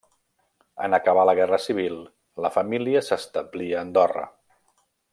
En acabar la Guerra Civil la família s’establí a Andorra.